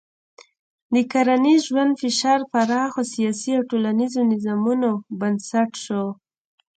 د کرنیز ژوند فشار پراخو سیاسي او ټولنیزو نظامونو بنسټ شو.